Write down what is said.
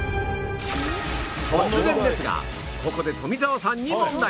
突然ですがここで富澤さんに問題